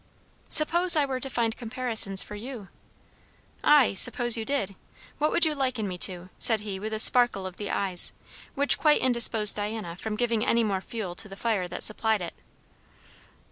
"Suppose I were to find comparisons for you?" "Ay, suppose you did. What would you liken me to?" said he with a sparkle of the eyes, which quite indisposed Diana from giving any more fuel to the fire that supplied it.